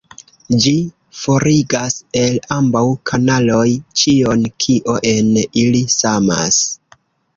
Ĝi forigas el ambaŭ kanaloj ĉion, kio en ili samas.